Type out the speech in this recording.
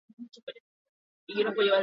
Adibide baten bitartez erakutsi dugu.